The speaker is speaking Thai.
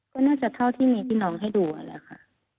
ก็น่าจะเท่าที่มีพี่น้องให้ดูนั่นแหละค่ะ